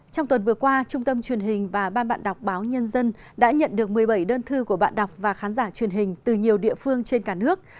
trong tuần vừa qua trung tâm truyền hình và ban bạn đọc báo nhân dân đã nhận được một mươi bảy đơn thư của bạn đọc và khán giả truyền hình từ nhiều địa phương trên cả nước